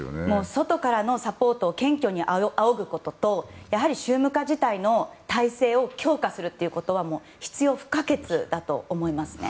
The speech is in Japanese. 外からのサポートを謙虚にあおぐこととやはり宗務課自体の体制を強化することは必要不可欠だと思いますね。